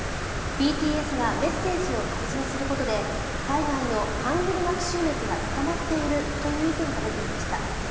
ＢＴＳがメッセージを発信することで海外のハングル学習熱が高まっているという意見が出ていました。